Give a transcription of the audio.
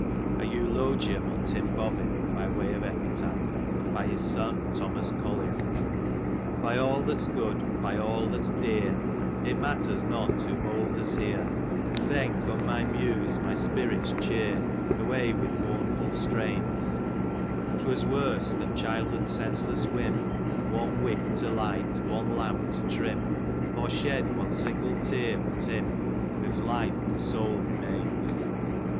An Eulogium on Tim Bobbin, by way of Epitaph, BY HIS SOlSr THOMAS COLLIER. By aU that's good, by all that's dear, It matters not who moulders here, Then come my muse my spirits cheer, Away with mournful strains ; 'Twas worse than childhood's senseless whim, One wick to light, one lamp to trim, Or shed one single tear for Tim, Whose life and soul remains.